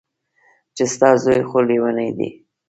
چې ستا زوى خو ليونۍ دى.